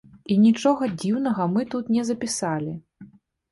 І нічога дзіўнага мы тут не запісалі.